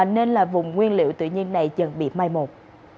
nên là vùng nguyên liệu tự nhiên này dần bị mai một